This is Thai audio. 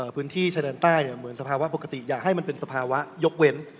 พื้นที่ชะดานใต้สภาวะปกติอยากให้เป็นสภาวะยกเว้น